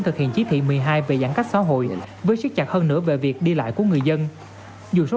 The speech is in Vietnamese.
thực hiện chí thị một mươi hai về giãn cách xã hội với sức chặt hơn nữa về việc đi lại của người dân dù số